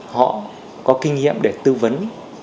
họ có kinh nghiệm để tư vấn